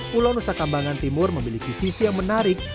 pulau nusa kambangan timur memiliki sisi yang menarik